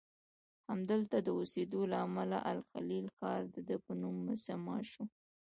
همدلته د اوسیدو له امله الخلیل ښار دده په نوم مسمی شو.